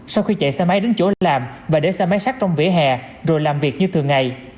sau khi chạy xe máy đến chỗ làm và để xe máy sắt trong vỉa hè rồi làm việc như thường ngày